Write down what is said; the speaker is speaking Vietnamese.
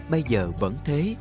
bây giờ vẫn thế